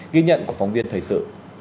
ghi nhận của phóng viên thời sự